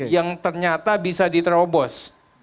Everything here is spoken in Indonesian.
yang ternyata bisa diterobos